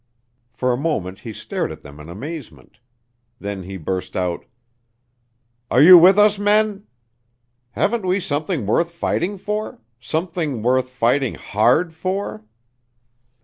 For a moment he stared at them in amazement. Then he burst out, "Are you with us, men? Haven't we something worth fighting for something worth fighting hard for?"